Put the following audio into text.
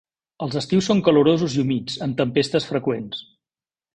Els estius són calorosos i humits, amb tempestes freqüents.